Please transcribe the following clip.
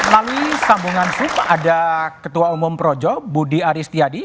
melalui sambungan zoom ada ketua umum projo budi aristiadi